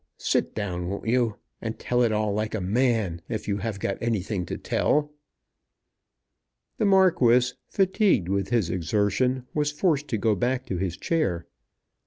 Sit down; won't you? and tell it all like a man if you have got anything to tell." The Marquis, fatigued with his exertion, was forced to go back to his chair. Mr.